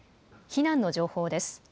避難の情報です。